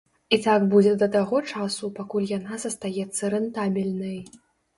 І так будзе да таго часу, пакуль яна застаецца рэнтабельнай.